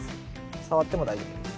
触っても大丈夫です。